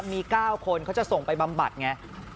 มี๙คนเขาจะส่งไปบำบัดไง